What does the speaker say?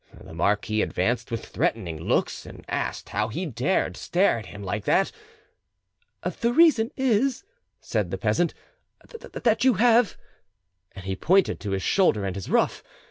The marquis advanced with threatening looks, and asked how he dared to stare at him like that. "The reason is," said the peasant, "that you have——", and he pointed to his shoulder and his ruff.